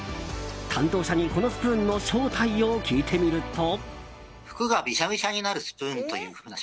担当者に、このスプーンの正体を聞いてみると。